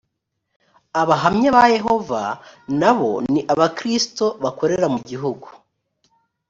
abahamya ba yehova na bo ni abakristo bakorera mu bihugu